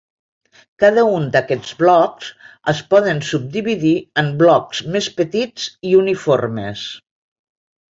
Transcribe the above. Cada un d'aquests blocs es poden subdividir en blocs més petits i uniformes.